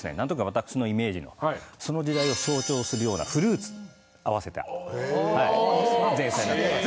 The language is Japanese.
私のイメージのその時代を象徴するようなフルーツ合わせた前菜になってます。